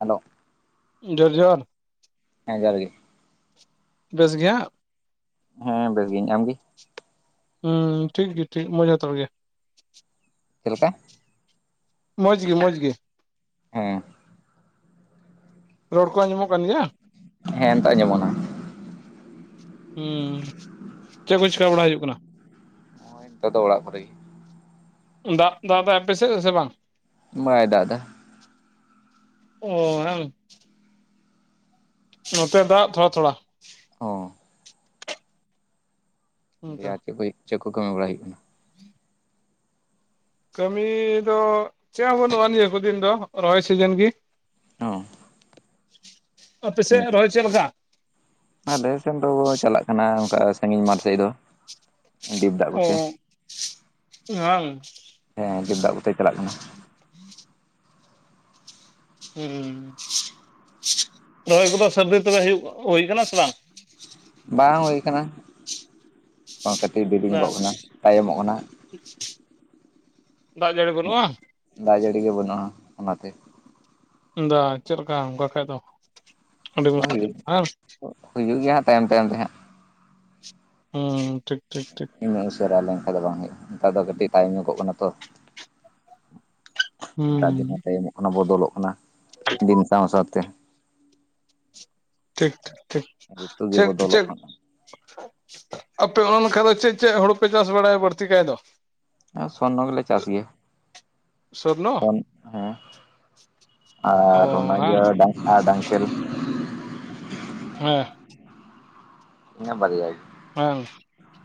Hello ᱡᱚᱨ ᱡᱚᱸᱦᱟᱨ ᱦᱮᱸ ᱡᱚᱦᱟᱨ ᱜᱮ ᱵᱮᱥ ᱜᱮᱣᱟ᱾ ᱦᱮᱸ ᱵᱮᱥᱜᱤᱧ ᱟᱢᱜᱮ? ᱦᱩᱸ ᱴᱷᱤᱠ ᱜᱮᱣᱟ ᱴᱷᱤᱠ ᱢᱟ ᱡᱷᱚᱛᱚ ᱜᱮ᱾ ᱪᱮᱫ ᱞᱮᱠᱟ ᱢᱚᱡᱽ ᱜᱮ ᱢᱚᱡᱽ ᱜᱮ ᱦᱮᱸ ᱨᱚᱲ ᱠᱚ ᱟᱸᱡᱚᱢᱚᱜ ᱠᱟᱱ ᱜᱮᱭᱟ? ᱦᱮᱸ ᱱᱤᱛᱟᱜ ᱧᱮᱢᱚᱜ ᱠᱟᱱᱟ ᱾ ᱦᱸ ᱪᱮᱫ ᱠᱚ ᱪᱮᱠᱟ ᱵᱟᱲᱟ ᱦᱩᱭᱩᱜ ᱠᱟᱱᱟ? ᱱᱚᱜ-ᱚᱭ ᱱᱮᱛᱟᱨ ᱫᱚ ᱚᱲᱟᱜ ᱠᱚᱨᱮ ᱜᱮ ᱾ ᱫᱟᱜ ᱫᱟᱭ ᱟᱯᱮ ᱥᱮᱜ ᱥᱮ ᱵᱟᱝ? ᱢᱟᱭ ᱫᱟᱜ ᱫᱟ ᱾ [unintelligible] ᱱᱚᱛᱮ ᱫᱟᱜ ᱛᱷᱚᱲᱟ ᱛᱷᱚᱲᱟ ᱚ ᱚᱱᱠᱟ ᱟᱨ ᱪᱮᱫ ᱠᱚ ᱪᱮᱫ ᱠᱚ ᱠᱟᱹᱢᱤ ᱵᱟᱲᱟ ᱦᱩᱭᱩᱜ ᱠᱟᱱᱟ? ᱠᱟᱹᱢᱤ ᱫᱚ ᱪᱮᱫ ᱦᱚᱸ ᱵᱟᱹᱱᱩᱜᱼᱟ ᱱᱤᱭᱟᱹ ᱠᱚ ᱫᱤᱱ ᱫᱚ ᱨᱚᱦᱚᱭ ᱥᱤᱡᱮᱱ ᱜᱮ᱾ ᱚ ᱟᱯᱮ ᱥᱮᱫ ᱨᱚᱦᱚᱭ ᱪᱮᱫ ᱞᱮᱠᱟ? ᱟᱞᱮᱥᱮᱫ ᱫᱚ ᱪᱟᱞᱟᱜ ᱠᱟᱱᱟ ᱚᱱᱠᱟ ᱥᱟᱺᱜᱤᱧ ᱢᱟᱴᱷ ᱥᱮᱫ ᱫᱚ ᱫᱟᱜ ᱚ ᱠᱚᱛᱮ ᱵᱟᱝ ᱦᱮᱸ ᱫᱟᱜ ᱠᱚᱛᱮ ᱪᱟᱞᱟᱜ ᱠᱟᱱᱟ [unintelligible] ᱦᱮᱸ ᱨᱚᱦᱚᱭ ᱠᱚᱫᱚ ᱥᱟᱹᱛ ᱛᱚᱵᱮ ᱦᱩᱭᱩᱜ ᱦᱩᱭ ᱠᱟᱱᱟ ᱥᱮ ᱵᱟᱝ? ᱵᱟᱝ ᱦᱩᱭ ᱟᱠᱟᱱᱟ ᱠᱟᱹᱴᱤᱡ ᱫᱟᱜ ᱫᱤᱨᱤᱧᱚᱜᱚᱜ ᱠᱟᱱᱟ ᱛᱟᱭᱚᱢᱚᱜ ᱠᱟᱱᱟ ᱾ ᱫᱟᱜ ᱡᱟᱹᱲᱤ ᱵᱟᱹᱱᱩᱜᱼᱟ? ᱫᱟᱜ ᱡᱟᱹᱲᱤ ᱜᱮ ᱵᱟᱹᱱᱩᱜᱼᱟ ᱚᱱᱟᱛᱮ ᱫᱟ ᱪᱮᱫ ᱞᱮᱠᱟ ᱚᱱᱠᱟ ᱠᱷᱟᱱᱡ ᱫᱚ ᱟᱹᱰᱤ ᱦᱳᱭ ᱢᱩᱥᱠᱤᱞ ᱦᱮᱸ ᱦᱩᱭᱩᱜ ᱜᱮᱭᱟ ᱦᱟᱸᱜ ᱛᱟᱭᱚᱢ ᱛᱟᱭᱚᱢ ᱛᱮ ᱦᱟᱸᱜ ᱦᱩᱸ ᱴᱷᱤᱠ ᱴᱷᱤᱠ ᱴᱷᱤᱠ᱾ ᱤᱧ ᱩᱥᱟᱹᱨᱟ ᱞᱮᱱᱠᱷᱟᱱᱡ ᱫᱚ ᱵᱟᱝ ᱦᱩᱭᱩᱜᱼᱟ ᱱᱮᱛᱟᱨ ᱫᱚ ᱠᱟᱹᱴᱤᱡ ᱧᱚᱜᱚᱽ ᱠᱟᱱᱟ ᱛᱚ ᱦᱩᱸ ᱮᱴᱟᱜ ᱫᱤᱱ ᱦᱚᱸ ᱛᱟᱭᱚᱢᱚᱜ ᱠᱟᱱᱟ ᱵᱚᱫᱚᱞᱚᱜ ᱠᱟᱱᱟ ᱫᱤᱱ ᱥᱟᱶ ᱥᱟᱶᱛᱮ ᱴᱷᱤᱠ ᱴᱷᱤᱠ ᱨᱤᱛᱩ ᱜᱮ ᱴᱷᱤᱠ ᱪᱮᱫ ᱵᱚᱫᱚᱞᱚᱜ ᱪᱮᱫ ᱠᱟᱱᱟ ᱟᱯᱮ ᱚᱱᱠᱟᱱ ᱫᱚ ᱪᱮᱫ ᱪᱮᱫ ᱦᱩᱲᱩᱯᱮ ᱪᱟᱥ ᱵᱟᱲᱟᱭᱟ ᱵᱟᱹᱲᱛᱤ ᱠᱟᱡ ᱫᱚ? ᱟᱨ ᱥᱚᱨᱱᱚ ᱜᱮᱞᱮ ᱪᱟᱥ ᱜᱮᱭᱟ ᱾ ᱥᱚᱨᱱᱚ ᱦᱮᱸ ᱚ ᱟᱨ ᱚᱱᱟ ᱦᱟᱝ ᱤᱭᱟᱹ ᱰᱟᱝ ᱦᱮ ᱰᱟᱝᱠᱮᱞ ᱦᱮᱸ ᱤᱱᱟᱹ ᱵᱟᱨᱟᱭ ᱵᱟᱱᱜ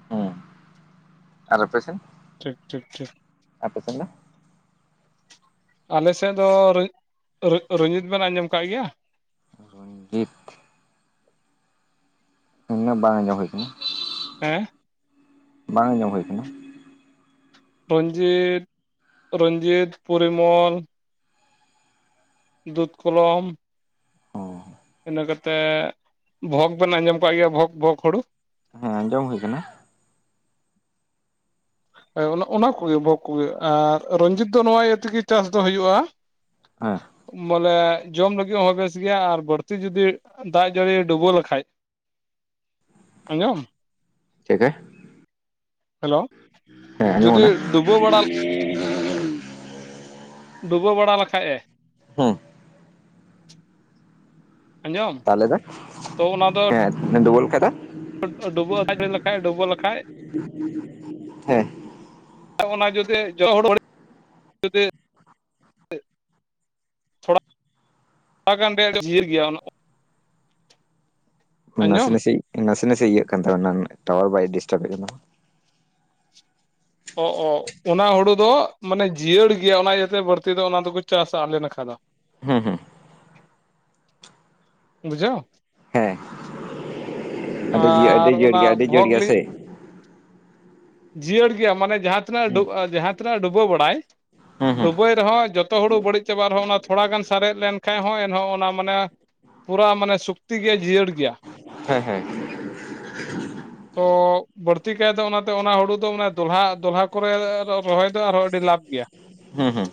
ᱦᱮᱸ ᱟᱨ ᱟᱯᱮ ᱥᱮᱱ? ᱴᱷᱤᱠ ᱴᱷᱤᱠ ᱴᱷᱤᱠ ᱟᱯᱮ ᱥᱮᱱ ᱫᱚ? ᱟᱞᱮᱥᱮᱫ ᱫᱚ ᱨᱚᱡᱤᱛ ᱵᱮᱱ ᱟᱸᱡᱚᱢ ᱟᱠᱟᱫ ᱜᱮᱭᱟ? ᱨᱚᱱᱡᱤᱛ ᱩᱱᱟᱹᱜ ᱵᱟᱝ ᱟᱸᱡᱚᱢ ᱦᱩᱭ ᱟᱠᱟᱱᱟ ᱾ ᱦᱮᱸ ᱵᱟᱝ ᱟᱸᱡᱚᱢ ᱦᱩᱭ ᱟᱠᱟᱱᱟ ᱨᱚᱧᱡᱤᱛ ᱨᱚᱡᱤᱛ ᱯᱚᱨᱤᱢᱚᱞ ᱫᱩᱫ ᱠᱚᱞᱚᱢ ᱤᱱᱟᱹ ᱠᱟᱛᱮ ᱵᱷᱳᱜᱽ ᱵᱮᱱ ᱟᱸᱡᱚᱢ ᱠᱫ ᱜᱮᱭᱟ ᱵᱷᱳᱚᱜᱽ ᱵᱷᱳᱚᱜᱽ ᱦᱩᱲᱩ ᱦᱮᱸ ᱡᱚᱢ ᱦᱩᱭ ᱟᱠᱟᱱᱟ᱾ ᱦ ᱚᱱᱟ ᱠᱚ ᱜᱮ ᱵᱷᱳᱚᱜ ᱠᱚ ᱜᱮ ᱟᱨ ᱨᱧᱡᱤᱛ ᱫᱚ ᱱᱚᱣᱟ ᱤᱭᱟᱹ ᱛᱮ ᱜᱮ ᱪᱟᱥ ᱫᱚ ᱦᱩᱭᱩᱜᱼᱟ ᱦᱮᱸ ᱵᱚᱞᱮ ᱡᱚᱢ ᱞᱟᱹᱜᱤᱫ ᱦᱚᱸ ᱵᱮᱥ ᱜᱮᱭᱟ ᱟᱨ ᱵᱟᱹᱲᱛᱤ ᱡᱩᱚᱫᱤ ᱫᱟᱜ ᱡᱟᱹᱲᱤ ᱰᱩᱵᱟᱹ ᱞᱮᱠᱷᱟᱡ ᱦ [inaudible] ᱟᱸᱡᱚᱢ ᱪᱤᱠᱟᱹ ᱦᱮᱞᱳ ᱦᱮᱸ ᱟᱸᱡᱚᱢ ᱡᱩᱫᱤ ᱠᱟᱱᱟ ᱰᱩᱵᱟᱹ ᱵᱟᱲᱟ ᱰᱩᱵᱟᱹ ᱵᱟᱲᱟ ᱞᱮᱠᱷᱟᱡ ᱮ ᱦᱮᱸ ᱟᱸᱡᱚᱢ ᱛᱟᱞᱮ ᱫᱚ ᱛᱚ ᱚᱱᱟ ᱫᱚ ᱦᱮᱸ ᱱ ᱫᱚ ᱠᱟᱫᱟ ᱰᱩᱵᱟᱹ ᱞᱮᱠᱷᱟᱡ ᱰᱩᱵᱟᱹ ᱞᱮᱠᱷᱟᱡ ᱦᱮᱸ ᱚᱱᱟ ᱡᱩᱫᱤ ᱡᱚ ᱦᱚᱲ ᱦᱚᱲ ᱡᱩᱫᱤ ᱛᱷᱚᱲᱟ ᱛᱷᱚᱲᱟ ᱜᱟᱱ ᱰᱷᱮᱨ ᱜᱮᱭᱟ ᱚᱱᱟ ᱱᱟᱥᱮ ᱟᱸᱡᱚᱢ ᱱᱟᱥᱮ ᱱᱟᱥᱮ ᱱᱟᱥᱮ ᱤᱭᱟᱹᱜ ᱠᱟᱱ ᱛ ᱚᱱᱟ ᱴᱟᱣᱟᱨ ᱵᱟᱭ ᱰᱤᱥᱴᱟᱵ ᱮᱫ ᱠᱟᱱᱟ᱾ ᱚ ᱚ ᱚᱱᱟ ᱦᱩᱲᱩ ᱫᱚ ᱢᱟᱱᱮ ᱡᱤᱭᱟᱹᱲ ᱜᱮᱭᱟ ᱚᱱᱟ ᱤᱭᱟᱹ ᱛᱮ ᱵᱟᱹᱲᱛᱤ ᱫᱚ ᱚᱱᱟ ᱫᱚ ᱠᱚ ᱪᱟᱥᱟ ᱟᱞᱮ ᱱᱟᱠᱷᱟ ᱫᱚ ᱾ ᱦᱮᱸ ᱦᱮᱸ ᱵᱩᱡᱷᱟᱹᱣ? ᱦᱮᱸ ᱟᱹᱰᱤ ᱟᱹᱰᱤ ᱟᱨ ᱡᱤᱭᱟᱹᱲ ᱚᱱᱟ ᱜᱮᱭᱟ ᱟᱹᱰᱤ ᱡᱤᱭᱟᱹᱲ ᱜᱮᱭᱟ ᱵᱷᱚᱜᱽᱞᱤ ᱥᱮ ᱡᱤᱭᱟᱹᱲ ᱜᱮᱭᱟ ᱢᱟᱱᱮ ᱡᱟᱦᱟᱸᱛᱤᱱᱟᱹᱜ ᱦᱩᱸ ᱡᱟᱦᱟᱸ ᱛᱤᱱᱟᱹᱜ ᱰᱩᱵᱟᱹ ᱵᱟᱲᱟᱭ ᱦᱩᱸ ᱰᱩᱵᱟᱹ ᱨᱮ ᱦᱚᱸ ᱡᱚᱛᱚ ᱦᱩᱲᱩ ᱵᱟᱹᱲᱤᱡ ᱪᱟᱵᱟᱟᱜ ᱨᱮᱦᱚᱸ ᱚᱱᱟ ᱛᱷᱚᱲᱟ ᱜᱟᱱ ᱥᱟᱨᱮᱡ ᱞᱮᱱᱠᱟᱱᱡ ᱦᱚᱸ ᱮᱱᱦᱚᱸ ᱚᱱᱟ ᱢᱟᱱᱮ ᱯᱩᱨᱟ ᱢᱟᱱᱮ ᱥᱚᱠᱛᱤ ᱜᱮ ᱡᱤᱭᱟᱹᱲ ᱜᱮᱭᱟ ᱦᱮᱸ ᱦᱮᱸ ᱛᱚ ᱵᱟᱹᱲᱛᱤ ᱠᱟᱭ ᱛᱮ ᱚᱱᱟ ᱚᱱᱟ ᱦᱩᱲᱩ ᱫᱚᱮ ᱫᱚᱦᱟ ᱫᱚᱦᱟ ᱠᱚ ᱨᱮ ᱨᱚᱦᱚᱭ ᱫᱚ ᱟᱨᱦᱚᱸ ᱟᱹᱰᱤ ᱞᱟᱵᱷ ᱜᱮᱭᱟ ᱾ ᱦᱮᱸ ᱦᱮᱸ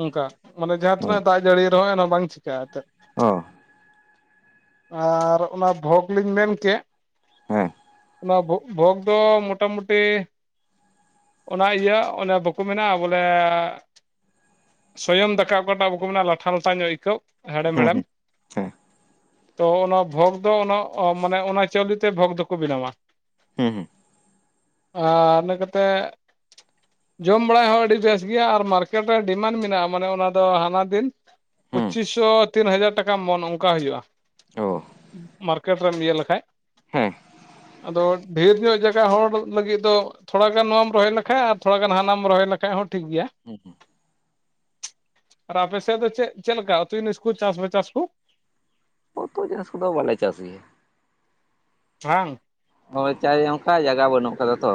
ᱚᱱᱠᱟ ᱢᱟᱱᱮ ᱡᱟᱦᱟᱸ ᱛᱤᱱᱟᱹᱜ ᱫᱟᱜ ᱡᱟᱹᱲᱤ ᱨᱮ ᱦᱚᱸ ᱚᱱᱟ ᱵᱟᱝ ᱪᱤᱠᱟᱹᱜᱼᱟ ᱮᱱᱜ ᱾ ᱚ ᱟᱨ ᱚᱱᱟ ᱵᱷᱚᱜᱽ ᱞᱤᱧ ᱢᱮᱱᱠ ᱦᱮᱸ ᱚᱱᱟ ᱵᱷ ᱵᱷᱳᱜᱽ ᱫᱚ ᱢᱚᱴᱟ ᱢᱩᱴᱤ ᱚᱱᱟ ᱤᱭᱟᱹ ᱚᱱᱮ ᱵᱟᱠᱚ ᱢᱮᱱᱟ ᱵᱚᱞᱮ ᱥᱚᱭᱚᱢ ᱫᱟᱠᱟ ᱚᱠᱟᱴᱟᱜ ᱵᱟᱠᱚ ᱢᱮᱱᱟ ᱞᱟᱴᱷᱟ ᱞᱟᱴᱷᱟ ᱧᱚᱜ ᱟᱹᱭᱠᱟᱹᱜ ᱦᱩᱸ ᱦᱮᱲᱮᱢ ᱦᱩᱸ ᱦᱮᱲᱮᱢ ᱦᱮᱸ ᱛᱚ ᱚᱱᱟ ᱵᱷᱳᱜᱽ ᱫᱚ ᱚᱱᱟ ᱢᱟᱱᱮ ᱚᱱᱟ ᱪᱟᱣᱞᱮ ᱛᱮ ᱵᱷᱳᱜᱽ ᱫᱚ ᱠᱚ ᱵᱮᱱᱟᱣ-ᱟ ᱾ ᱦᱮᱸ ᱦᱩᱸ ᱟᱨ ᱤᱱᱟᱹ ᱠᱟᱛᱮᱫ ᱡᱚᱢ ᱵᱟᱲᱟᱭ ᱦᱚᱸ ᱟᱹᱰᱤ ᱵᱮᱥ ᱜᱮᱭᱟ ᱟᱨ ᱢᱟᱨᱠᱮᱴ ᱨᱮ ᱰᱤᱢᱟᱱᱰ ᱢᱮᱱᱟᱜ-ᱟ ᱢᱟᱱᱮ ᱚᱱᱟ ᱫᱚ ᱦᱟᱱᱟ ᱫᱤᱱ ᱦᱩᱸ ᱯᱚᱪᱤᱥ ᱥᱚ ᱛᱤᱱ ᱦᱟᱡᱟᱨ ᱴᱟᱠᱟ ᱢᱚᱱ ᱚᱱᱠᱟ ᱦᱩᱭᱩᱜ-ᱟ ᱚ ᱾ ᱢᱟᱨᱠᱮᱴ ᱨᱮᱢ ᱤᱭᱟᱹ ᱞᱮᱠᱷᱟᱡ ᱦᱮᱸ ᱟᱫᱚ ᱰᱷᱮᱨ ᱧᱚᱜ ᱡᱟᱭᱜᱟ ᱦᱚᱲ ᱞᱟᱹᱜᱤᱫ ᱫᱚ ᱛᱷᱚᱲᱟ ᱜᱟᱱ ᱱᱚᱣᱟᱢ ᱨᱚᱦᱚᱭ ᱞᱮᱠᱷᱟᱡ ᱟᱨ ᱛᱷᱚᱲᱟ ᱜᱟᱱ ᱦᱟᱱᱟᱢ ᱨᱚᱦᱚᱭ ᱞᱮᱠᱷᱟᱡ ᱦᱚᱸ ᱴᱷᱤᱠ ᱜᱮᱭᱟ᱾ ᱦᱩᱸ ᱦᱩᱸ ᱟᱨ ᱟᱯᱮ ᱥᱮᱫ ᱫᱚ ᱪᱮᱫ ᱪᱮᱫ ᱞᱮᱠᱟ ᱛᱤᱱᱤᱥ ᱠᱚ ᱪᱟᱥᱮ ᱪᱟᱥ ᱠᱚ? ᱩᱛᱩ ᱡᱤᱱᱤᱥ ᱠᱚᱫᱚ ᱵᱟᱞᱮ ᱪᱟᱥ ᱜᱮᱭᱟ ᱾ ᱦᱟᱝ ᱦᱳᱭ ᱪᱟ ᱚᱱᱠᱟ ᱡᱟᱭᱜᱟ ᱵᱟᱹᱱᱩᱜ ᱟᱠᱟᱫᱟ ᱛᱚ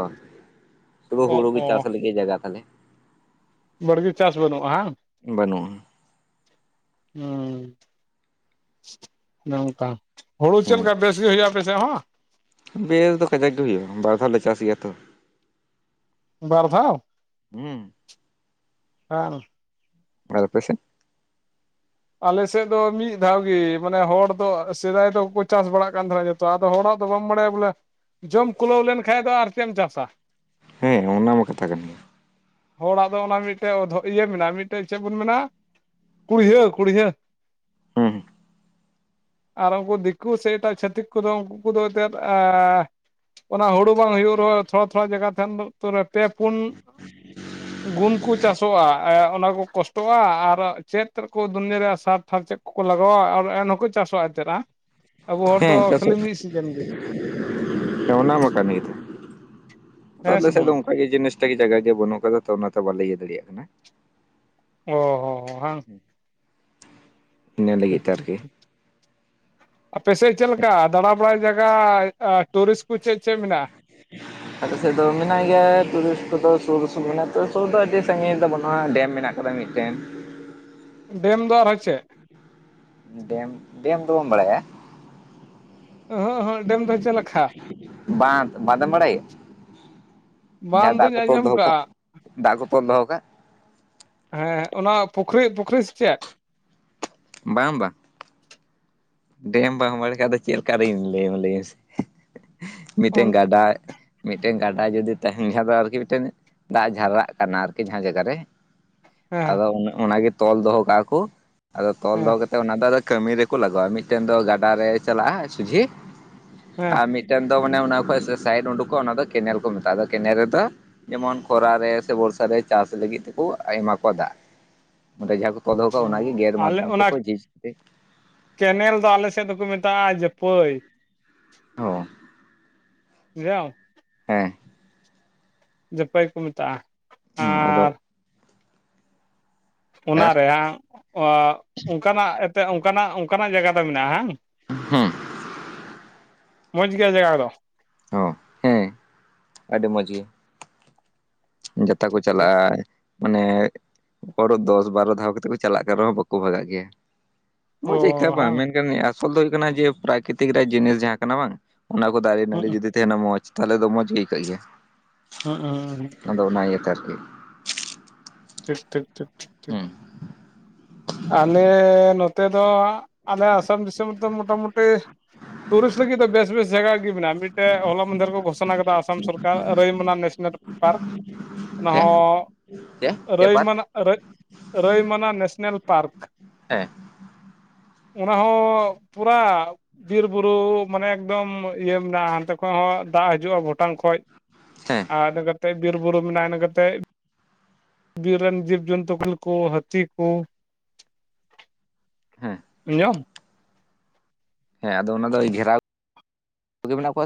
ᱥᱩᱫᱩ ᱚ ᱦᱩᱲᱩ ᱜᱮ ᱚ ᱪᱟᱥ ᱞᱟᱹᱜᱤᱫ ᱡᱟᱭᱜᱟ ᱛᱟᱦᱟᱞᱮ ᱵᱟᱲᱜᱮ ᱪᱟᱥ ᱵᱟᱹᱱᱩᱜ-ᱟ ᱦᱩᱸ ᱵᱟᱹᱱᱩᱜᱼᱟ ᱾ ᱱᱚᱝᱠᱟ ᱦᱩᱲᱩ ᱦᱮᱸ ᱪᱮᱫᱞᱮᱠᱟ ᱵᱮᱥ ᱜᱮ ᱦᱩᱭᱩᱜ-ᱟ ᱟᱯᱮᱥᱮᱫ ᱦᱚᱸ? ᱵᱮᱥ ᱫᱚ ᱠᱟᱡᱟᱠ ᱜᱮ ᱦᱩᱭᱩᱜ-ᱟ ᱵᱟᱨ ᱫᱷᱟᱣ ᱞᱮ ᱪᱟᱥ ᱜᱮᱭᱟ ᱛᱚ᱾ ᱵᱟᱨ ᱫᱷᱟᱣ ᱦᱩᱸ ᱵᱟᱝ ᱵᱟ ᱯᱮᱥᱮᱱ ᱟᱞᱮᱥᱮᱫ ᱫᱚ ᱢᱤᱫ ᱫᱷᱟᱣᱜᱤ ᱢᱟᱱᱮ ᱦᱚᱲ ᱫᱚ ᱥᱮᱫᱟᱭ ᱫᱚᱠᱚ ᱪᱟᱥ ᱵᱟᱲᱟᱜ ᱠᱟᱱ ᱛᱟᱦᱮᱱᱟ ᱟᱫᱚ ᱦᱚᱲᱟᱜ ᱫᱚ ᱵᱟᱢ ᱵᱟᱲᱟᱭᱟ ᱵᱚᱞᱮ ᱡᱚᱢ ᱠᱩᱞᱟᱹᱣ ᱞᱮᱱᱠᱷᱟᱡ ᱫᱚ ᱟᱨ ᱪᱮᱫ ᱮᱢ ᱪᱟᱥᱟ ᱾ ᱦᱮᱸ ᱚᱱᱟ ᱢᱟ ᱠᱟᱛᱷᱟ ᱠᱟᱱ ᱜᱮᱭᱟ ᱦᱚᱲᱟᱜ ᱫᱚ ᱚᱱᱟ ᱢᱤᱫᱴᱮᱡ ᱤᱭᱟᱹ ᱢᱮᱱᱟᱜ-ᱟ ᱢᱤᱫᱴᱮᱡ ᱪᱮᱫ ᱵᱚᱱ ᱢᱮᱱᱟ ᱠᱩᱲᱭᱟᱹ ᱠᱩᱲᱦᱟᱹ ᱦᱮᱸ ᱟᱨ ᱩᱱᱠᱩ ᱫᱤᱠᱩ ᱥᱮ ᱮᱴᱟᱜ ᱪᱷᱟᱹᱛᱤᱠ ᱠᱚᱫᱚ ᱩᱱᱠᱩ ᱠᱚᱫᱚ ᱮᱱᱛᱮᱫ ᱚᱱᱟ ᱦᱩᱲᱩ ᱵᱟᱝ ᱦᱩᱭᱩᱜ ᱨᱮᱦᱚᱸ ᱛᱷᱚᱲᱟ ᱛᱷᱚᱲᱟ ᱡᱟᱭᱜᱟ ᱛᱟᱦᱮᱱ ᱯᱮ ᱯᱩᱱ ᱜᱩᱱ ᱠᱚ ᱪᱟᱥᱚᱜ-ᱟ ᱚᱱᱟ ᱠᱚ ᱠᱚᱥᱴᱚᱜ-ᱟ ᱟᱨ ᱪᱮᱫ ᱫᱩᱱᱭᱤᱭᱟᱹ ᱨᱮᱭᱟᱜ ᱥᱟᱨ ᱛᱷᱟᱨ ᱪᱮᱫ ᱠᱚᱠᱚ ᱞᱟᱜᱟᱣᱟ ᱟᱨ ᱮᱱᱦᱚᱸᱠᱚ ᱪᱟᱥᱚᱜ-ᱟ ᱪᱮᱫ-ᱟ ᱟᱵᱚ ᱦᱚᱲ ᱫᱚ ᱦᱮᱸ ᱠᱷᱟᱹᱞᱤ ᱪᱟᱥᱚᱜ ᱢᱤᱫ ᱥᱤᱡᱮᱱ ᱜᱮ ᱚᱱᱟ ᱢᱟ ᱠᱟᱱᱜᱮᱛᱚ ᱦᱮᱸ ᱟᱞᱮ ᱥᱮ ᱥᱮᱫ ᱵᱟᱝ ᱫᱚ ᱵᱷᱟᱜᱤ ᱡᱤᱱᱤᱥ ᱡᱟᱭᱜᱟ ᱜᱮ ᱵᱟᱹᱱᱩᱜ ᱟᱠᱟᱫᱟ ᱛᱚ ᱚᱱᱟᱛᱮ ᱵᱟᱞᱮ ᱤᱭᱟᱹ ᱫᱟᱲᱮᱭᱟᱜ ᱠᱟᱱᱟ ᱚ ᱦᱚᱸ ᱦᱚ ᱵᱟᱝ ᱤᱱᱟᱹ ᱞᱟᱹᱜᱤᱫ ᱛᱮ ᱟᱨᱠᱤ ᱟᱯᱮ ᱥᱮᱫ ᱪᱮᱫᱞᱮᱠᱟ ᱫᱟᱬᱟ ᱵᱟᱲᱟᱭ ᱡᱟᱭᱜᱟ ᱴᱩᱨᱤᱥᱴ ᱠᱚ ᱪᱮᱫ ᱪᱮᱫ ᱢᱮᱱᱟᱜ-ᱟ [unintelligible] ᱟᱞᱮ ᱥᱮᱫ ᱫᱚ ᱢᱮᱱᱟᱜ ᱜᱮᱭᱟ ᱴᱩᱨᱤᱥᱴ ᱠᱚᱫᱚ ᱥᱩᱨ ᱩᱥᱩᱨ ᱢᱮᱱᱟᱜ-ᱟ ᱛᱚ ᱥᱩᱨᱫᱚ ᱟᱹᱰᱤ ᱥᱟᱺᱜᱤᱧ ᱫᱚ ᱵᱟᱹᱱᱩᱜ-ᱟ ᱰᱮᱢ ᱢᱮᱱᱟᱜ ᱢᱤᱫᱴᱮᱱ ᱰᱮᱢ ᱫᱚ ᱟᱨᱦᱚᱸ ᱪᱮᱫ ᱰᱮᱢ ᱰᱮᱢ ᱫᱚ ᱵᱟᱢ ᱵᱟᱲᱟᱭᱟ ᱚᱦᱚᱸ ᱚᱦᱚᱸ ᱰᱮᱢ ᱫᱚ ᱪᱮᱫ ᱞᱮᱠᱟ ᱵᱟᱸᱫ ᱵᱟᱸᱫᱮᱢ ᱵᱟᱲᱟᱭᱟ ᱵᱟᱝ ᱡᱟᱦᱟᱸ ᱫᱟᱜ ᱫᱩᱧ ᱠᱚ ᱛᱚᱞ ᱟᱸᱡᱚᱢ ᱫᱚᱦᱚ ᱠᱟᱜ ᱠᱟᱜᱼᱟ ᱫᱟᱜ ᱠᱚ ᱛᱚᱞ ᱫᱚᱦᱚ ᱠᱟᱜ ᱦᱮᱸ ᱚᱱᱟ ᱯᱩᱠᱷᱨᱤ ᱯᱩᱠᱷᱨᱤ ᱥᱮ ᱪᱮᱫ ᱵᱟᱝ ᱵᱟᱝ ᱰᱮᱢ ᱵᱟᱢ ᱵᱟᱲᱟᱭ ᱠᱷᱟᱱ ᱫᱚ ᱪᱮᱫ ᱞᱮᱠᱟᱧ ᱞᱟᱹᱭ ᱞᱟᱹᱭᱟ ᱢᱮ ᱥᱮ ᱢᱤᱫᱴᱮᱱ ᱦᱮᱸ ᱜᱟᱰᱟ ᱢᱤᱫᱴᱮᱱ ᱜᱟᱰᱟ ᱡᱩᱫᱤ ᱛᱟᱦᱮᱱ ᱠᱷᱟᱱ ᱫᱚ ᱟᱨᱠᱤ ᱢᱤᱫᱴᱮᱱ ᱫᱟᱜ ᱡᱷᱟᱨᱟᱜ ᱠᱟᱱᱟ ᱟᱨᱠᱤ ᱡᱟᱦᱟᱸ ᱡᱟᱭᱜᱟ ᱨᱮ ᱟᱫᱚ ᱚᱱᱟᱜᱮ ᱛᱚᱞ ᱫᱚᱦᱚ ᱠᱟᱜ-ᱟ ᱠᱚ ᱟᱫᱚ ᱛᱚᱞ ᱦᱮᱸ ᱫᱚᱦᱚ ᱠᱟᱛᱮ ᱚᱱᱟ ᱫᱚ ᱠᱟᱹᱢᱤ ᱨᱮᱠᱚ ᱞᱟᱜᱟᱣᱟ ᱢᱤᱫᱴᱮᱱ ᱫᱚ ᱜᱟᱰᱟ ᱨᱮ ᱪᱟᱞᱟᱜ-ᱟ ᱥᱚᱡᱷᱮ ᱦᱮᱸ ᱟᱨ ᱢᱤᱫᱴᱮᱱ ᱢᱤᱫᱴᱮᱱ ᱫᱚ ᱢᱟᱱᱮ ᱚᱱᱟ ᱠᱷᱚᱱ ᱥᱟᱭᱤᱰ ᱩᱰᱩᱠᱚᱜ ᱚᱱᱟ ᱫᱚ ᱠᱮᱱᱮᱞ ᱠᱚ ᱢᱮᱛᱟᱜᱼᱟ ᱟᱫᱚ ᱠᱮᱱᱮᱞ ᱨᱮᱫᱚ ᱡᱮᱢᱚᱱ ᱠᱷᱚᱨᱟ ᱨᱮ ᱥᱮ ᱵᱚᱨᱥᱟ ᱨᱮ ᱪᱟᱥ ᱞᱟᱹᱜᱤᱫ ᱛᱮᱠᱚ ᱮᱢᱟ ᱠᱚᱣᱟ ᱫᱟᱜ ᱚᱸᱰᱮ ᱡᱟᱦᱟᱸ ᱠᱚ ᱫᱚᱦᱚ ᱠᱟᱜᱼᱟ ᱚᱱᱟᱜᱮ ᱜᱮᱴ ᱟᱞᱮ ᱢᱟᱫᱽᱫᱷᱚᱢ ᱚᱱᱟ ᱛᱮᱠᱚ ᱡᱷᱤᱡᱽ ᱠᱮᱱᱮᱞ ᱫᱚ ᱟᱞᱮ ᱥᱮᱫ ᱫᱚᱠᱚ ᱢᱮᱛᱟᱜᱼᱟ ᱡᱟᱹᱯᱟᱹᱭ ᱦᱚᱸ ᱡᱟᱣ [unintelligible] ᱦᱮᱸ ᱡᱟᱹᱯᱟᱹᱭ ᱠᱚ ᱢᱮᱛᱟᱜᱼᱟ ᱦᱩᱸ ᱟᱫᱚ ᱟᱨ ᱟᱨ ᱚᱱᱟᱨᱮ ᱵᱟᱝ ᱚᱱᱠᱟᱱᱟᱜ ᱮᱱᱛᱮ ᱚᱱᱠᱟᱱᱟᱜ ᱚᱱᱠᱟᱱᱟᱜ ᱡᱟᱭᱜᱟ ᱫᱚ ᱢᱮᱱᱟᱜᱼᱟ ᱦᱩᱸ ᱢᱚᱡᱽ ᱜᱮᱭᱟ ᱡᱟᱭᱜᱟ ᱫᱚ ᱚ ᱦᱮᱸ ᱟᱹᱰᱤ ᱢᱚᱡᱽ ᱜᱮ ᱴᱷᱤᱠ ᱡᱚᱛᱚ ᱠᱚ ᱴᱷᱤᱠ ᱴᱷᱤᱠ ᱪᱟᱞᱟᱜ-ᱟ ᱢᱟᱱᱮ ᱦᱚᱲ ᱫᱚᱥ ᱵᱟᱨᱚ ᱫᱷᱟᱣ ᱠᱟᱛᱮ ᱠᱚ ᱪᱟᱞᱟᱜ ᱠᱟᱱ ᱨᱮᱦᱚᱸ ᱵᱟᱠᱚ ᱵᱷᱟᱜᱟᱜ ᱜᱮᱭᱟ ᱚ ᱢᱚᱡᱽ ᱟᱹᱭᱠᱟᱹᱜ-ᱟ ᱵᱟᱝ ᱦᱮᱸ ᱢᱮᱱᱠᱷᱟᱱ ᱟᱥᱚᱞ ᱫᱚ ᱦᱩᱭᱩᱜ ᱠᱟᱱᱟ ᱡᱮ ᱯᱨᱟᱠᱨᱤᱛᱤᱠ ᱨᱮᱭᱟᱜ ᱡᱤᱱᱤᱥ ᱡᱟᱦᱟᱸ ᱠᱟᱱᱟ ᱵᱟᱝ ᱚᱱᱟ ᱠᱚ ᱫᱟᱨᱮ ᱱᱟᱹᱲᱤ ᱦᱩᱸ ᱡᱩᱫᱤ ᱛᱟᱦᱮᱱᱟ ᱢᱚᱸᱡᱽ ᱛᱟᱦᱚᱞᱮ ᱫᱚ ᱢᱚᱸᱡᱽ ᱜᱮ ᱟᱹᱭᱠᱟᱹᱜ ᱜᱮᱭᱟ ᱦ [unintelligible] ᱟᱫᱚ ᱚᱱᱟ ᱤᱭᱟᱹᱛᱮ ᱟᱨᱠᱤ᱾ ᱴᱷᱤᱠ ᱴᱷᱤᱠ ᱴᱷᱤᱠ ᱴᱷᱤᱠ ᱴᱷᱤᱠ ᱦᱮᱸ ᱟᱞᱮ ᱱᱚᱛᱮ ᱫᱚ ᱟᱞᱮ ᱟᱥᱟᱢ ᱫᱤᱥᱚᱢ ᱨᱮᱫᱚ ᱢᱳᱴᱟᱢᱩᱴᱤ ᱴᱩᱨᱤᱥᱴ ᱞᱟᱹᱜᱤᱫ ᱫᱚ ᱵᱮᱥ ᱵᱮᱥ ᱡᱟᱭᱜᱟ ᱜᱮ ᱢᱮᱱᱟᱜᱼᱟ ᱢᱤᱫᱴᱮᱡ ᱦᱚᱞᱟ ᱢᱚᱫᱷᱮᱨ ᱠᱚ ᱜᱷᱥᱚᱱᱟ ᱟᱠᱟᱫᱟ ᱟᱥᱟᱢ ᱥᱚᱨᱠᱟᱨ ᱨᱟᱹᱭᱢᱚᱱᱟ ᱱᱮᱥᱱᱮᱞ ᱯᱟᱨᱠ ᱚᱱᱟᱦᱚ ᱪ ᱪᱯᱟᱨ [unintelligible] ᱨᱟᱹᱭᱢᱱᱟ ᱱᱮᱥᱱᱮᱞ ᱯᱟᱨᱠ [unintelligible] ᱚᱱᱟ ᱦᱚᱸ ᱯᱩᱨᱟ ᱵᱤᱨᱵᱩᱨᱩ ᱢᱟᱱᱮ ᱮᱠᱫᱚᱢ ᱤᱭᱟᱹ ᱢᱮᱱᱟᱜᱼᱟ ᱦᱟᱱᱛᱮ ᱠᱷᱚᱱ ᱦᱚᱸ ᱫᱟᱜ ᱦᱤᱡᱩᱜᱼᱟ ᱵᱷᱩᱴᱟᱝ ᱠᱷᱚᱡ᱾ ᱦᱮᱸ ᱟᱰ ᱠᱟᱛᱮᱜ ᱵᱤᱨ ᱵᱩᱨᱩ ᱢᱮᱱᱟᱜᱼᱟ, ᱤᱱᱟᱹ ᱠᱟᱛᱮᱜ ᱵᱤᱨ ᱨᱮᱱ ᱡᱤᱵ ᱡᱚᱱᱛᱩ ᱠᱚ ᱠᱚ ᱦᱟᱹᱛᱤ ᱠᱚ᱾ ᱦᱮᱸ ᱟᱸᱡᱚᱢ? ᱦᱮᱸ ᱟᱫᱚ ᱚᱱᱟ ᱫᱚ ᱜᱷᱮᱨᱟᱣ ᱢᱮᱱᱟᱜ ᱠᱚᱣᱟ?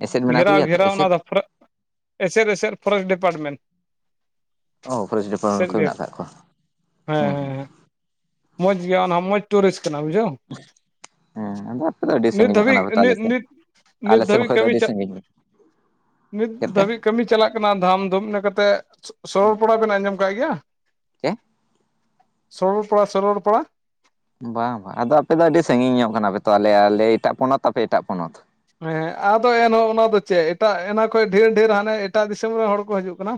ᱮᱥᱮᱫ ᱢᱮᱱᱟᱜ ᱜᱷᱮᱨᱟᱣ ᱠᱚᱜᱮᱭᱟ ᱛᱚ ᱜᱷᱮᱨᱟᱣ ᱚᱱᱟ ᱮᱥᱮᱫ ᱫᱚ ᱯᱷᱚᱨᱮᱜ ᱮᱥᱮᱫ ᱮᱥᱮᱫ ᱯᱷᱚᱨᱮᱥᱴ ᱰᱤᱯᱟᱴᱢᱮᱱᱴ᱾ ᱚ ᱯᱷᱚᱨᱮᱥᱴ ᱰᱤᱯᱟᱨᱴᱢᱮᱱᱴ ᱠᱚ ᱜᱮ ᱢᱮᱱᱟᱜ ᱠᱟᱜ ᱠᱚᱣᱟ᱾ ᱦᱮᱸ ᱦᱩᱸ ᱦᱩᱸ ᱦᱮᱸ ᱦᱮᱸ ᱢᱚᱡᱽ ᱜᱮᱭᱟ ᱚᱱᱟ ᱢᱚᱡᱽ ᱴᱩᱨᱤᱥ ᱠᱟᱱᱟ ᱵᱩᱡᱷᱟᱹᱣ? ᱦᱮᱸ ᱟᱫᱚ ᱟᱯᱮ ᱫᱚ ᱟᱹᱰᱤ ᱱᱤᱛ ᱥᱟᱺᱜᱤᱧᱚᱜ ᱫᱷᱟᱹᱵᱤᱡ ᱠᱟᱱᱟ ᱯᱮ ᱛᱚ ᱱᱤᱛ ᱟᱞᱮᱥᱮᱫ ᱱᱤᱛ ᱟᱞᱮ ᱱᱤᱛ ᱥᱮᱱ ᱫᱷᱟᱹᱵᱤᱡ ᱠᱷᱚᱱ ᱫᱚ ᱠᱟᱹᱢᱤ ᱟᱹᱰᱤ ᱪᱟ ᱥᱟᱺᱜᱤᱧ᱾ ᱱᱤᱛ ᱪᱮᱫ ᱞᱮᱠᱟ ᱫᱷᱟᱹᱵᱤᱡ ᱠᱟᱹᱢᱤ ᱪᱟᱞᱟᱜ ᱠᱟᱱᱟ ᱫᱷᱟᱢ ᱫᱷᱩᱢ ᱤᱱᱟᱹ ᱠᱟᱛᱮᱜ ᱥᱚᱨᱚᱞ ᱦᱩᱸ ᱯᱚᱲᱟ ᱵᱮᱱ ᱟᱸᱡᱚᱢ ᱠᱟᱜ ᱜᱮᱭᱟ? ᱪᱮ ᱥᱚᱨᱚᱞ ᱯᱟᱲᱟ ᱥᱚᱨᱚᱞ ᱯᱟᱲᱟ᱾ ᱵᱟᱝ ᱵᱟᱝ ᱟᱫᱚ ᱟᱯᱮ ᱫᱚ ᱟᱹᱰᱤ ᱥᱟᱺᱜᱤᱧ ᱧᱚᱜ ᱠᱟᱱᱟᱯᱮ ᱛᱚ ᱟᱞᱮ ᱟᱞᱮ ᱮᱴᱟᱜ ᱯᱚᱱᱚᱛ ᱟᱯᱮ ᱮᱴᱟᱜ ᱯᱚᱱᱚᱛ᱾ ᱦᱮᱸ ᱟᱫᱚ ᱮᱱᱦᱚᱸ ᱚᱱᱟ ᱫᱚ ᱪᱮᱜ ᱮᱴᱟᱜ ᱮᱱᱟ ᱠᱷᱚᱡ ᱰᱷᱮᱨ ᱰᱷᱮᱨ ᱦᱟᱱᱮ ᱮᱴᱟᱜ ᱫᱤᱥᱚᱢ ᱨᱮᱱ ᱦᱚᱲ ᱠᱚ ᱦᱤᱡᱩᱜ ᱠᱟᱱᱟ᱾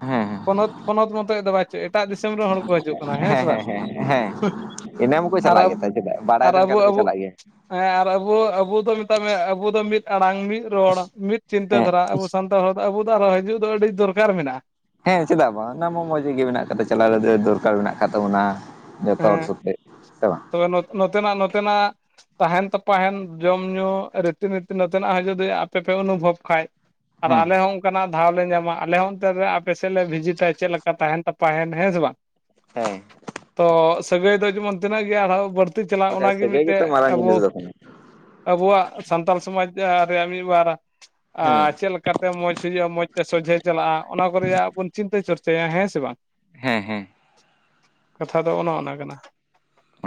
ᱦᱮᱸ ᱯᱚᱱᱚᱛ ᱯᱚᱱᱚᱛ ᱢᱚᱛᱚᱡ ᱫᱚ ᱵᱟᱭ ᱪᱟᱹᱭᱟ ᱮᱴᱟᱜ ᱫᱤᱥᱚᱢ ᱨᱮᱱ ᱦᱚᱲ ᱠᱚ ᱦᱤᱡᱩᱜ ᱠᱟᱱᱟ᱾ ᱦᱮᱸ ᱥᱮ ᱵᱟᱝ? ᱮᱱᱟᱹ ᱢᱟᱠᱚ ᱟᱨ ᱪᱟᱞᱟᱜ ᱟᱵᱚ ᱜᱮᱭᱟ ᱪᱮᱫᱟᱜ ᱵᱟᱲᱟᱭ ᱟᱨ ᱛᱟᱦᱮᱱ ᱟᱵᱚ ᱠᱷᱟᱱ ᱫᱚᱠᱚ ᱟᱵᱚ ᱪᱟᱞᱟᱜ ᱜᱮᱭᱟ᱾ ᱦᱮᱸ ᱟᱨ ᱟᱵᱚ ᱟᱵᱚ ᱫᱚ ᱢᱮᱛᱟᱜ ᱢᱮ ᱟᱵᱚ ᱫᱚ ᱢᱤᱫ ᱟᱲᱟᱝ ᱢᱤᱫ ᱨᱚᱲ ᱢᱤᱫ ᱪᱤᱱᱛᱟᱹ ᱦᱮᱸ ᱫᱷᱟᱨᱟ ᱟᱵᱚ ᱥᱟᱱᱛᱟᱲ ᱦᱚᱲ ᱫᱚ ᱟᱵᱚ ᱫᱚ ᱟᱨᱚᱸ ᱦᱤᱡᱩᱜ ᱫᱚ ᱟᱹᱰᱤ ᱫᱚᱨᱠᱟᱨ ᱢᱮᱱᱟᱜᱼᱟ᱾ ᱦᱮᱸ ᱪᱮᱫᱟᱜ ᱵᱟᱝ ᱚᱱᱟ ᱢᱟ ᱢᱚᱸᱡᱽ ᱜᱮ ᱢᱮᱱᱟᱜ ᱟᱠᱟᱫᱟ ᱪᱟᱞᱟᱣ ᱨᱮ ᱫᱚᱨᱠᱟᱨ ᱢᱮᱱᱟᱜ ᱟᱠᱟᱫ ᱛᱟᱵᱚᱱᱟ᱾ ᱡᱚᱛᱚ ᱦᱮᱸ ᱦᱚᱲ ᱥᱟᱛᱮᱜ ᱥᱮ ᱵᱟᱝ᱾ ᱛᱚᱵᱮ ᱱᱚᱛ ᱱᱚᱛᱮ ᱱᱟᱜ ᱱᱚᱛᱮ ᱱᱟᱜ ᱛᱟᱦᱮᱱ ᱛᱟᱯᱟᱦᱮᱱ ᱡᱚᱢ ᱧᱩᱩ ᱨᱤᱛᱤᱱᱤᱛᱤ ᱱᱚᱛᱮᱱᱟᱜ ᱦᱚᱸ ᱡᱩᱫᱤ ᱟᱯᱮ ᱯᱮ ᱚᱱᱩᱵᱷᱚᱵ ᱠᱷᱟᱡ᱾ ᱟᱨ ᱦᱩᱸ ᱟᱞᱮ ᱦᱚᱸ ᱚᱱᱠᱟᱱᱟᱜ ᱫᱷᱟᱣᱞ ᱞᱮ ᱧᱟᱢᱟ ᱟᱞᱮ ᱦᱚᱸ ᱚᱱᱛᱮ ᱨᱮ ᱟᱯᱮ ᱥᱮᱫ ᱞᱮ ᱵᱷᱤᱡᱤᱴᱟ ᱪᱮᱫ ᱞᱮᱠᱟ ᱛᱟᱦᱮᱱ ᱛᱟᱯᱟᱦᱮᱱ ᱦᱮᱸ ᱥᱮ ᱵᱟᱝ? ᱦᱮᱸ ᱛᱚ ᱥᱟᱹᱜᱟᱹᱭ ᱫᱚ ᱡᱮᱢᱚᱱ ᱛᱤᱱᱟᱹᱜ ᱜᱮ ᱟᱨᱦᱚᱸ ᱵᱟᱹᱲᱛᱤ ᱪᱟᱞᱟᱜ ᱵᱟᱠᱷᱟᱡ ᱚᱱᱟᱜᱮ ᱥᱟᱹᱜᱟᱹᱭ ᱢᱤᱫᱴᱮᱡ ᱜᱮᱛᱚ ᱢᱟᱨᱟᱝ ᱟᱵᱚ ᱡᱤᱱᱤᱥ ᱫᱚ ᱠᱟᱱᱟ᱾ ᱟᱵᱚᱣᱟᱜ ᱥᱟᱱᱛᱟᱞ ᱥᱚᱢᱟᱡᱽ ᱨᱮᱭᱟᱜ ᱢᱤᱜᱵᱟᱨ [inaudible] ᱟ ᱪᱮᱫ ᱞᱮᱠᱟᱛᱮ ᱢᱚᱸᱡᱽ ᱦᱩᱭᱩᱜᱼᱟ᱾ ᱢᱚᱸᱡᱽ ᱛᱮ ᱥᱚᱡᱷᱮ ᱪᱟᱞᱟᱜᱼᱟ᱾ ᱚᱱᱟ ᱠᱚ ᱨᱮᱭᱟᱜ ᱵᱚᱱ ᱪᱤᱱᱛᱟᱹ ᱪᱚᱨᱪᱟᱭᱟ ᱦᱮᱸ ᱥᱮ ᱵᱟᱝ? ᱦᱮᱸ ᱦᱮᱸ ᱠᱟᱛᱷᱟ ᱫᱚ ᱚᱱᱮ ᱚᱱᱟ ᱠᱟᱱᱟ᱾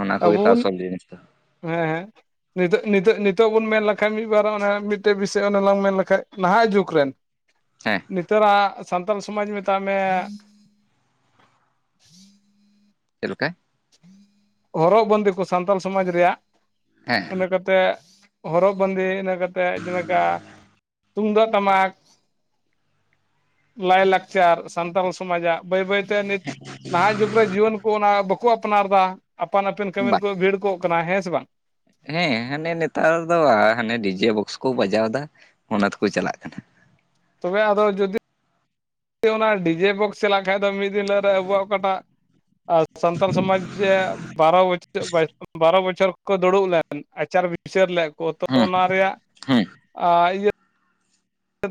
ᱚᱱᱟ ᱟᱵᱚ ᱠᱚᱜᱮ ᱛᱚ ᱵᱚᱱ ᱟᱥᱚᱞ ᱡᱤᱱᱤᱥ ᱫᱚ᱾ ᱦᱮᱸ ᱦᱮᱸ ᱱᱤᱛᱚᱜ ᱱᱤᱛᱚᱜ ᱱᱤᱛᱚᱜ ᱵᱚᱱ ᱢᱮᱱ ᱞᱮᱠᱷᱟᱡ ᱢᱤᱫ ᱵᱟᱨ ᱢᱤᱫᱴᱮᱡ ᱵᱤᱥᱚᱭ ᱚᱱᱮ ᱞᱟᱝ ᱢᱮᱱ ᱞᱮᱠᱷᱟᱡ ᱱᱟᱦᱟᱜ ᱡᱩᱜᱽ ᱨᱮᱱ ᱦᱮᱸ ᱱᱮᱛᱟᱨᱟᱜ ᱥᱟᱱᱛᱟᱞ ᱥᱚᱢᱟᱡᱽ ᱢᱮᱛᱟᱜ ᱢᱮ ᱪᱮᱫ ᱞᱮᱠᱟ? ᱦᱚᱨᱚᱜ ᱵᱟᱸᱫᱮ ᱠᱚ ᱥᱟᱱᱛᱟᱞ ᱥᱚᱢᱟᱡᱽ ᱨᱮᱭᱟᱜ ᱦᱮᱸ ᱚᱱᱮᱠᱟ ᱛᱮ ᱦᱚᱨᱚᱜ ᱵᱟᱸᱫᱮ ᱤᱱᱟᱹ ᱠᱟᱛᱮᱜ ᱡᱮᱞᱮᱠᱟ ᱛᱩᱢᱫᱟᱜ ᱴᱟᱢᱟᱠ ᱞᱟᱹᱭ ᱞᱟᱠᱪᱟᱹᱨ ᱥᱟᱱᱛᱟᱲ ᱥᱚᱢᱟᱡᱟᱜ ᱵᱟᱹᱭ ᱵᱟᱹᱭᱛᱮ ᱱᱤᱛ ᱱᱟᱦᱟᱜ ᱡᱩᱜᱽᱨᱮ ᱡᱩᱣᱟᱱ ᱠᱚ ᱚᱱᱟ ᱵᱟᱹᱠ ᱠᱚ ᱟᱯᱱᱟᱨᱫᱟ ᱟᱯᱟᱱ ᱟᱹᱯᱤᱱ ᱠᱟᱹᱢᱤ ᱵᱟ ᱨᱮᱠᱚ ᱵᱷᱤᱲ ᱠᱚᱜ ᱠᱟᱱᱟ ᱦᱮᱸ ᱥᱮ ᱵᱟᱝ᱾ ᱦᱮᱸ ᱦᱟᱱᱮ ᱱᱮᱛᱟᱨ ᱫᱚ ᱦᱟᱱᱮ ᱰᱤᱡᱮ ᱵᱚᱠᱥ ᱠᱚ ᱵᱟᱡᱟᱣᱫᱟ ᱚᱱᱟ ᱛᱮᱠᱚ ᱪᱟᱞᱟᱜ ᱠᱟᱱᱟ᱾ ᱛᱚᱵᱮ ᱟᱫᱚ ᱡᱚᱫᱤ ᱚᱱᱟ ᱰᱤᱡᱮ ᱵᱚᱠᱥ ᱪᱟᱞᱟᱜ ᱠᱷᱟᱱ ᱫᱚ ᱢᱤᱫ ᱫᱤᱱ ᱦᱤᱞᱳ ᱟᱵᱚᱣᱟᱜ ᱚᱠᱟᱴᱟᱜ ᱟᱨ ᱥᱟᱱᱛᱟᱞ ᱥᱚᱢᱟᱡᱽ ᱵᱟᱨᱚ ᱵᱚᱪᱷᱚᱨ ᱵᱟᱨᱚ ᱵᱚᱪᱷᱚᱨ ᱠᱚ ᱫᱩᱲᱩᱵ ᱞᱮᱱ ᱟᱪᱟᱨ ᱵᱤᱪᱟᱹᱨ ᱞᱮᱜ ᱠᱚ ᱛᱚ ᱦᱩᱸ ᱚᱱᱟ ᱨᱮᱭᱟᱜ ᱦᱩᱸ ᱤᱭᱟᱹ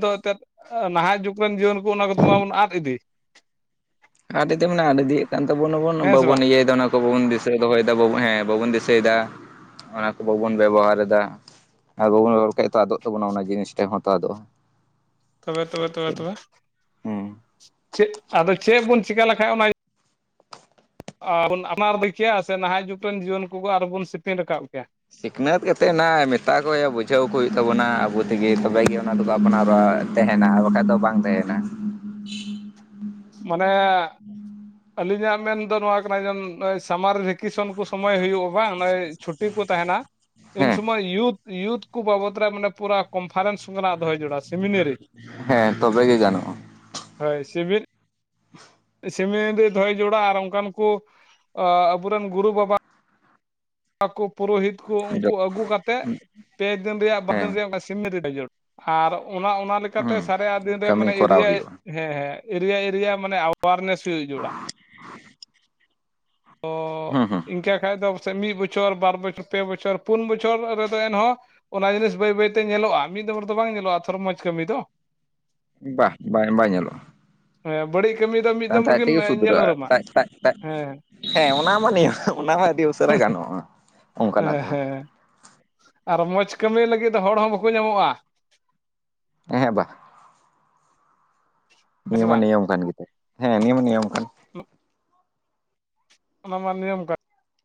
ᱫᱚ ᱮᱱᱛᱮᱫ ᱱᱟᱦᱟᱜ ᱡᱩᱜᱽ ᱨᱮᱱ ᱡᱤᱣᱟᱹᱱ ᱠᱚ ᱚᱱᱟ ᱠᱚᱫᱚ ᱢᱟᱵᱚᱱ ᱟᱫ ᱤᱫᱤ᱾ ᱟᱫ ᱤᱫᱤ ᱢᱟᱱᱮ ᱟᱫ ᱤᱫᱤᱭᱮᱫ ᱠᱟᱱ ᱛᱟᱵᱚᱱᱟᱵᱚᱱ ᱦᱮᱸ ᱥᱮ ᱵᱟᱵᱚᱱ ᱵᱟᱝ ᱤᱭᱟᱹᱭᱮᱫᱟ ᱚᱱᱟ ᱵᱟᱵᱚᱱ ᱫᱤᱥᱟᱹ ᱫᱚᱦᱚᱭ ᱮᱫᱟ ᱦᱮ ᱵᱟᱵᱚᱱ ᱫᱤᱥᱟᱹᱭ ᱮᱫᱟ ᱚᱱᱟ ᱠᱚ ᱵᱟᱵᱚᱱ ᱵᱮᱵᱚᱦᱟᱨ ᱮᱫᱟ ᱾ ᱟᱨ ᱵᱟᱵᱚᱱ ᱨᱚᱲ ᱠᱷᱟᱡ ᱛᱚ ᱟᱫᱚᱜ ᱛᱟᱵᱚᱱᱟ ᱚᱱᱟ ᱡᱤᱱᱤᱥ ᱴᱮᱱ ᱦᱚᱸ ᱛᱚ ᱟᱫᱚᱜᱼᱟ ᱾ ᱛᱚᱵᱮ ᱛᱚᱵᱮ ᱛᱚᱵᱮ ᱛᱚᱵᱮ ᱦᱮᱸ ᱪᱮᱫ ᱟᱫᱚ ᱪᱮᱫ ᱵᱚᱱ ᱪᱤᱠᱟᱹ ᱞᱮᱠᱟᱡ ᱚᱱᱟ... ᱟ.. ᱵᱚᱱ ᱟᱯᱱᱟᱨ ᱠᱮ ᱜᱮᱭᱟ ᱥᱮ ᱱᱟᱦᱟᱜ ᱡᱩᱜᱽ ᱨᱮᱱ ᱡᱤᱭᱚᱱ ᱠᱚᱠᱚ ᱟᱨᱦᱚᱸ ᱵᱚᱱ ᱥᱮᱯᱮᱧ ᱨᱟᱠᱟᱵ ᱠᱮᱭᱟ ᱥᱤᱠᱷᱱᱟᱹᱛ ᱠᱟ ᱠᱟᱛᱮᱫ ᱱᱟᱦᱟᱜ ᱢᱮᱛᱟ ᱠᱚ ᱦᱩᱭᱩᱜ ᱵᱩᱡᱷᱟᱹᱣ ᱠᱚ ᱦᱩᱭᱩᱜ ᱛᱟᱵᱚᱱᱟ ᱟᱵᱚ ᱛᱮᱜᱮ ᱛᱚᱵᱮᱜᱮ ᱚᱱᱟ ᱫᱚ ᱟᱯᱱᱟᱨᱚᱜᱼᱟ ᱾ ᱛᱮᱦᱮᱱᱟ ᱟᱨ ᱵᱟᱠᱷᱟᱡ ᱫᱚ ᱵᱟᱝ ᱛᱮᱦᱮᱱᱟ ᱢᱟᱱᱮ ᱟᱹᱞᱤᱧᱟᱜ ᱢᱮᱱ ᱫᱚ ᱱᱚᱣᱟ ᱠᱟᱱᱟ ᱡᱮ ᱱᱚᱜᱼᱚᱭ ᱥᱟᱢᱟᱨ ᱨᱮ ᱠᱮᱥᱚᱱ ᱠᱚ ᱥᱚᱢᱚᱭ ᱦᱩᱭᱩᱜᱼᱟ ᱵᱟᱝ ᱱᱚᱜᱼᱚᱭ ᱪᱷᱩᱴᱤ ᱠᱚ ᱛᱟᱦᱮᱱᱟ ᱤᱱ ᱦᱮᱸ ᱥᱚᱢᱚᱭ ᱭᱩᱛᱷ ᱭᱩᱛᱷ ᱠᱚ ᱵᱟᱵᱚᱛ ᱨᱮ ᱢᱟᱱᱮ ᱯᱩᱨᱟᱹ ᱠᱚᱱᱯᱷᱟᱨᱮᱱᱥ ᱠᱚ ᱢᱮᱱᱟᱜᱟ ᱫᱚᱦᱚᱭ ᱡᱚᱨᱩᱲᱟ ᱥᱤᱢᱤᱱᱟᱹᱨᱤ ᱾ ᱦᱮᱸ ᱛᱚᱵᱮ ᱜᱮ ᱜᱟᱱᱚᱜᱼᱟ [unintelligible] [inaudible] ᱥᱤᱢᱤᱱᱟᱨᱤ ᱨᱮ ᱫᱚᱦᱚᱭ ᱡᱟᱨᱩᱲᱟ ᱟᱨ ᱚᱱᱠᱟᱱ ᱠᱚ ᱟᱵᱚᱨᱮᱱ ᱜᱩᱨᱩ ᱵᱟᱵᱟ ᱟᱠᱚ ᱯᱩᱨᱚᱦᱤᱛ ᱠᱚ ᱩᱱᱠᱩ ᱟᱹᱜᱩ ᱠᱟᱛᱮᱫ ᱯᱮ ᱫᱤᱱ ᱨᱮᱭᱟᱜ ᱦᱮᱸ ᱵᱟᱨᱫᱤᱱ ᱨᱮᱭᱟᱜ ᱥᱤᱢᱮᱱᱟᱹᱨᱤ ᱠᱟ..... ᱟᱨ ᱚᱱᱟ ᱚᱱᱟ ᱞᱮᱠᱟᱛᱮ ᱦᱩᱸ ᱥᱟᱨᱮᱜ ᱟᱜ ᱟᱨ ᱫᱤᱱ ᱨᱮ ᱠᱟᱹᱢᱤ ᱢᱟᱱᱮ ᱠᱚᱨᱟᱣ ᱮᱨᱤᱭᱟ. ᱦᱩᱭᱩᱜᱼᱟ ᱦᱮᱸ ᱮᱨᱤᱭᱟ. ᱮᱨᱤᱭᱟ. ᱢᱟᱱᱮ ᱟᱣᱟᱨᱱᱮᱥ ᱦᱩᱭ ᱡᱚᱨᱩᱲᱚᱜᱼᱟ ᱾ ᱛᱚ ᱦᱩᱸ ᱦᱩᱸ ᱤᱱᱠᱟᱹ ᱠᱷᱟᱡ ᱫᱚ ᱯᱟᱥᱮᱡ ᱢᱤᱫ ᱵᱚᱪᱷᱚᱨ ᱵᱟᱨ ᱵᱚᱪᱷᱚᱨ ᱯᱮ ᱵᱚᱪᱷᱚᱨ ᱯᱩᱱ ᱵᱚᱪᱷᱚᱨ ᱨᱮᱫᱚ ᱮᱱᱦᱚᱸ ᱚᱱᱟ ᱡᱤᱱᱤᱥ ᱵᱟᱹᱭ ᱵᱟᱹᱭᱛᱮ ᱧᱮᱞᱚᱜᱼᱟ ᱾ ᱢᱤᱫ ᱫᱚᱢ ᱨᱮᱫᱚ ᱵᱟᱝ ᱧᱮᱞᱚᱜᱼᱟ ᱾ ᱛᱷᱚᱨᱚ ᱢᱚᱡᱽ ᱠᱟᱹᱢᱤ ᱫᱚ ᱵᱟᱦ ᱵᱟᱝ ᱵᱟᱭ ᱧᱮᱞᱚᱜᱼᱟ ᱾ ᱦᱮᱸ ᱵᱟᱹᱲᱤᱡ ᱠᱟᱹᱢᱤ ᱫᱚ ᱢᱤᱫ ᱫᱚᱢ ᱟᱡ ᱨᱮᱜᱮᱢ ᱛᱮᱜᱮ ᱧᱮᱞ ᱥᱩᱫᱷᱨᱟᱹᱜᱼᱟ ᱩᱨᱩᱢᱟ ᱴᱮᱠ ᱴᱮᱠ ᱴᱮᱠ ᱦᱮᱸ ᱦᱮᱸ ᱚᱱᱟ ᱢᱟ ᱱᱤᱭᱟᱹ ᱚᱱᱟ ᱦᱚᱸ ᱟᱹᱰᱤ ᱩᱥᱟᱹᱨᱟ ᱜᱟᱱᱚᱜᱼᱟ ᱾ ᱦᱮᱸ ᱦᱮᱸ ᱟᱨ ᱢᱚᱡᱽ ᱠᱟᱹᱢᱤ ᱞᱟᱹᱜᱤᱫ ᱫᱚ ᱦᱚᱲ ᱦᱚᱸ ᱵᱟᱠᱚ ᱧᱟᱢᱚᱜᱼᱟ ᱾ ᱦᱮᱸ ᱵᱟᱦ ᱦᱮᱸ ᱱᱤᱭᱟ. ᱥᱮ ᱢᱟ ᱱᱤᱭᱟ. ᱢ ᱠᱟᱱ ᱜᱮᱛᱟᱭ ᱦᱮᱸ ᱱᱤᱭᱟ. ᱢ ᱱᱤᱭᱟ. ᱢ ᱠᱟᱱ ᱦᱮᱸ [inaudible] ᱚᱱᱟ ᱢᱟ ᱱᱤᱭᱟ. ᱢ ᱠᱟᱱ